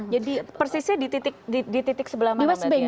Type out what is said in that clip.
jadi persisnya di titik sebelah mana berarti ya